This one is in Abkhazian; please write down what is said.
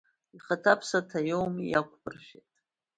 Ихаҭаԥсаҭа иоуми, иақәбыршәеит!